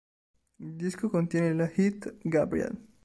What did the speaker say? Il disco contiene la hit "Gabriel".